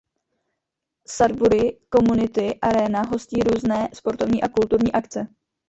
Sudbury Community Arena hostí různé sportovní a kulturní akce.